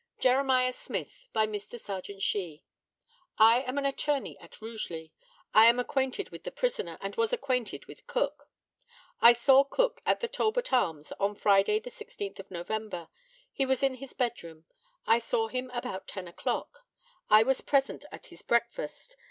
JEREMIAH SMITH, by Mr. Serjeant SHEE: I am an attorney at Rugeley. I am acquainted with the prisoner, and was acquainted with Cook. I saw Cook at the Talbot Arms on Friday, the 16th of November. He was in his bedroom. I saw him about ten o'clock. I was present at his breakfast.